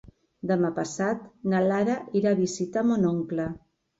Demà passat na Lara irà a visitar mon oncle.